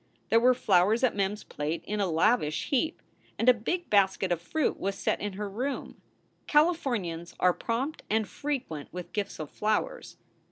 There were flowers at Mem s plate in a lavish heap. And a big basket of fruit was set in her room. Calif ornians are prompt and frequent with gifts of flowers.